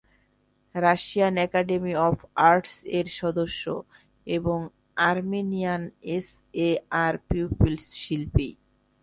Russian academy of arts এর সদস্য, এবং আর্মেনিয়ান এসএসআর পিপলস শিল্পী।